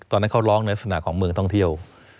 ตอนนั้นเขาร้องในลักษณะของเมืองท่องเที่ยว